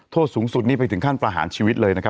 โทษสูงสุดนี้ไปถึงขั้นประหารชีวิตเลยนะครับ